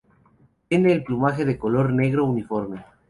Tiene el plumaje de color negro uniforme.